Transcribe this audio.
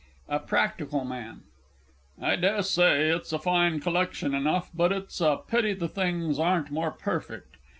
A PRACTICAL MAN. I dessay it's a fine collection, enough, but it's a pity the things ain't more perfect.